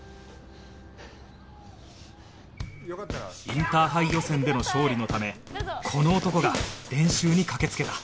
インターハイ予選での勝利のためこの男が練習に駆けつけた